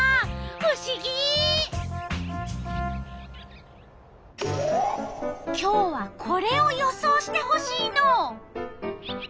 ふしぎ！今日はこれを予想してほしいの。